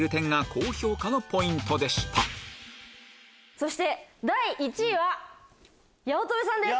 そして第１位は八乙女さんです。